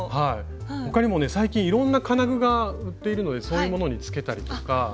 他にもね最近いろんな金具が売っているのでそういうものにつけたりとか。